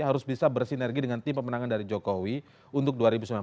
harus bisa bersinergi dengan tim pemenangan dari jokowi untuk dua ribu sembilan belas